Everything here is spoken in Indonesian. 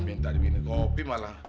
minta dia minum kopi malah